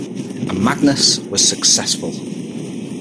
And Magnus was successful!